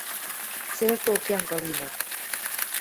Цӹлток янгыленӓм.